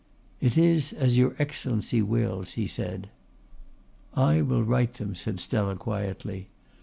"It is as your Excellency wills," he said. "I will write them," said Stella quietly.